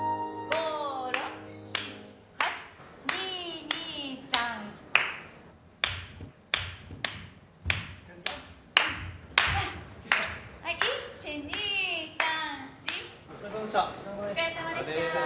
お疲れさまでした。